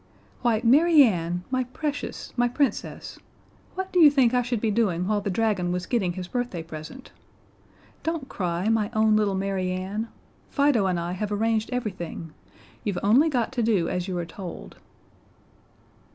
"Why, Mary Ann, my precious, my Princess what do you think I should be doing while the dragon was getting his birthday present? Don't cry, my own little Mary Ann! Fido and I have arranged everything. You've only got to do as you are told."